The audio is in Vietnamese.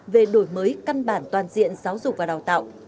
về đổi mới căn bản toàn diện giáo dục và đào tạo